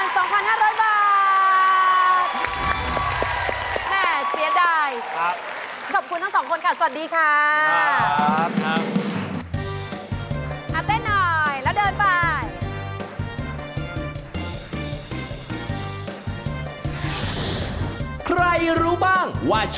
ทำไมเล่นมากเลยยาวครับได้เรื่อย